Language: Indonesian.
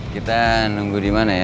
kita nunggu di mana ya